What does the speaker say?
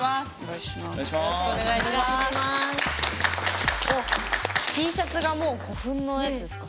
よろしくお願いします。